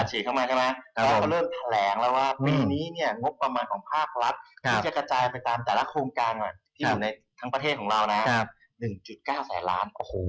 เข้ามาใช่ไหมเขาก็เริ่มแถลงแล้วว่าปีนี้เนี่ยงบประมาณของภาครัฐที่จะกระจายไปตามแต่ละโครงการที่อยู่ในทั้งประเทศของเรานะ๑๙แสนล้าน